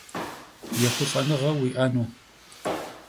Yêxhulh'enığe vui'enu!